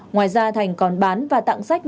ngoài ra thành còn bán và tặng sách